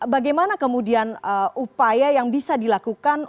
bagaimana kemudian upaya yang bisa dilakukan